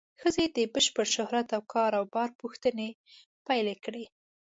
ښځې د بشپړ شهرت او کار و بار پوښتنې پیل کړې.